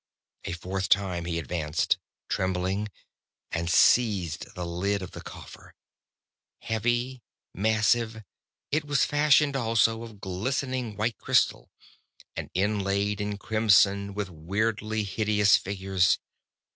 A fourth time he advanced, trembling, and seized the lid of the coffer. Heavy, massive, it was fashioned also of glistening white crystal, and inlaid in crimson with weirdly hideous figures.